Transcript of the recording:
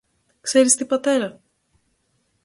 Ξέρεις τι, Πατέρα;